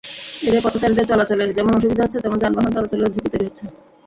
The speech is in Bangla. এতে পথচারীদের চলাচলে যেমন অসুবিধা হচ্ছে, তেমনি যানবাহন চলাচলেও ঝুঁকি তৈরি হচ্ছে।